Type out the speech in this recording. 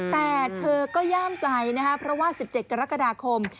แต่เธอก็ย่ามใจนะครับเพราะว่า๑๗กรกฎาคม